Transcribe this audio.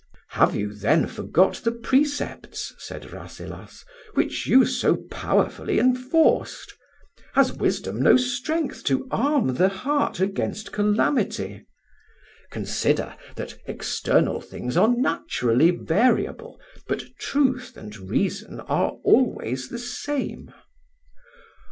"Have you then forgot the precepts," said Rasselas, "which you so powerfully enforced? Has wisdom no strength to arm the heart against calamity? Consider that external things are naturally variable, but truth and reason are always the same."